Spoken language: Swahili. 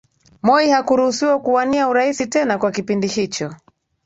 Moi hakuruhusiwa kuwania urais tena kwa kipindi hicho